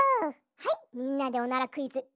はいみんなでおならクイズ！